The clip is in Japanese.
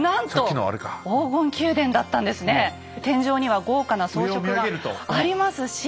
天井には豪華な装飾がありますし。